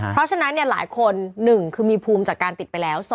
เพราะฉะนั้นหลายคน๑คือมีภูมิจากการติดไปแล้ว